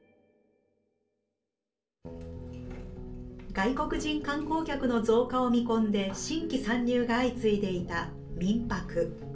外国人観光客の増加を見込んで新規参入が相次いでいた民泊。